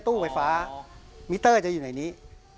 ตู้ไฟฟ้ามิเตอร์จะอยู่ในนี้